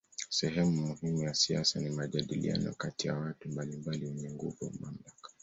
Sehemu muhimu ya siasa ni majadiliano kati ya watu mbalimbali wenye nguvu au mamlaka.